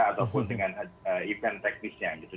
ataupun dengan event teknisnya gitu